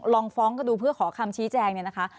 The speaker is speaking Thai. ลองฟ้องก็ดูเพื่อขอคำชี้แจงเนี่ยนะคะ